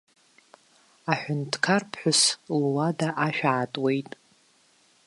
Аҳәынҭқарԥҳәыс луада ашә аатуеит.